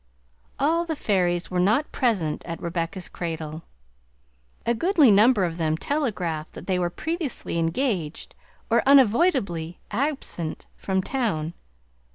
All the fairies were not present at Rebecca's cradle. A goodly number of them telegraphed that they were previously engaged or unavoidably absent from town.